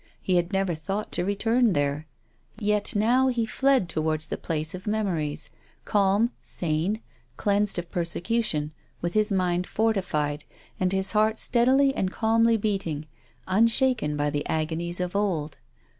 He had never thought to return there. Yet now he fled towards that place of memories, calm, sane, cleansed of persecution, with his mind fortified, and his heart steadily and calmly beating, un shaken by the agonies of old.